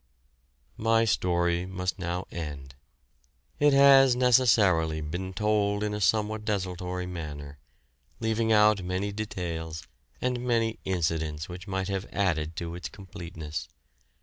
My story must now end. It has necessarily been told in a somewhat desultory manner, leaving out many details and many incidents which might have added to its completeness.